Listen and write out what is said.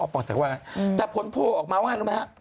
อ้อปล่อยแสดงว่าแต่ผลโพลออกมาว่ารู้ไหมครับ